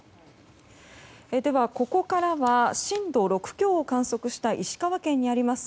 ではここからは震度６強を観測した石川県にあります